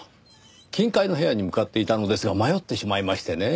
金塊の部屋に向かっていたのですが迷ってしまいましてねぇ。